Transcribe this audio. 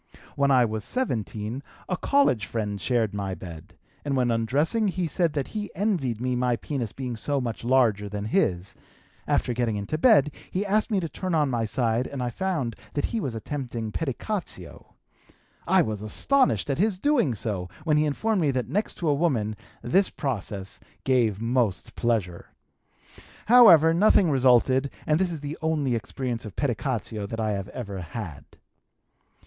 When I was 17 a college friend shared my bed, and when undressing he said that he envied me my penis being so much larger than his; after getting into bed, he asked me to turn on my side and I found that he was attempting pedicatio. I was astonished at his doing so when he informed me that next to a woman this process gave most pleasure. However, nothing resulted and this is the only experience of pedicatio that I have ever had.